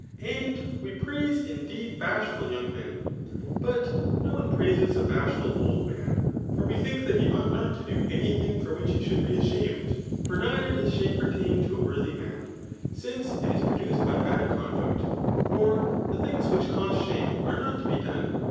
And we praise indeed bashful young men; but no one praises a bashful old man* For we think that he ought not to do any thing for which he should be ashamed ; for neither does shame pertain to a worthy man, since it is produced by bad conduct }. for the things which cause shame are not to be done.